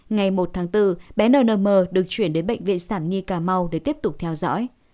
ngày một tháng bốn bé nờ nơi mờ được chuyển đến bệnh viện sản nhi cà mau để tiếp tục theo dõi